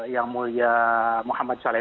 yang mulia muhammad s a w itu